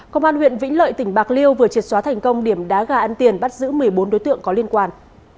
công an huyện vĩnh lợi tỉnh bạc liêu vừa triệt xóa thành công điểm đá gà ăn tiền bắt giữ một mươi bốn đối tượng có liên quan